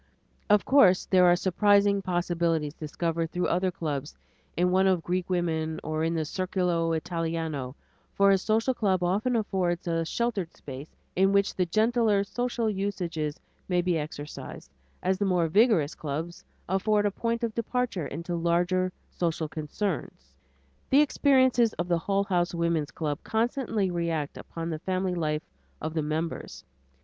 Of course there are surprising possibilities discovered through other clubs, in one of Greek women or in the "circolo Italiano," for a social club often affords a sheltered space in which the gentler social usages may be exercised, as the more vigorous clubs afford a point of departure into larger social concerns. The experiences of the Hull House Woman's Club constantly react upon the family life of the members.